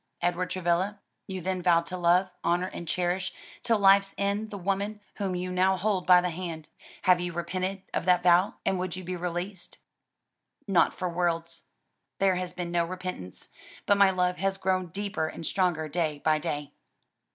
Edward Travilla, you then vowed to love, honor and cherish till life's end the woman whom you now hold by the hand. Have you repented of that vow? and would you be released?" "Not for worlds: there has been no repentance, but my love has grown deeper and stronger day by day."